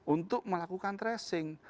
untuk melakukan tracing